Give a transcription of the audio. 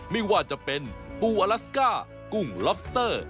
ไม่ว่าจะเป็นปูอลัสก้ากุ้งล็อบสเตอร์